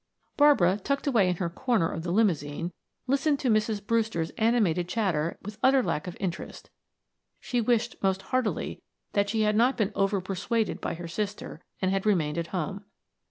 Barbara, tucked away in her corner of the limousine, listened to Mrs. Brewster's animated chatter with utter lack of interest; she wished most heartily that she had not been over persuaded by her sister, and had remained at home.